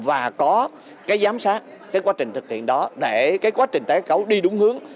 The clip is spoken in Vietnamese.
đó cái giám sát cái quá trình thực hiện đó để cái quá trình tái cấu đi đúng hướng